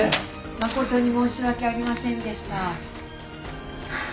「誠に申し訳ありませんでした」ハァ。